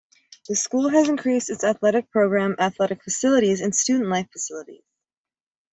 The school has increased its athletic program, athletic facilities, and student life facilities.